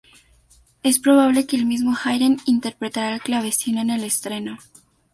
Es probable que el mismo Haydn interpretara el clavecín en el estreno.